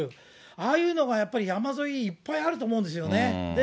ああいうのがやっぱり、山沿いにいっぱいあると思うんですよね。